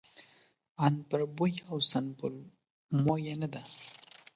عنبربويه او سنبل مويه نه ده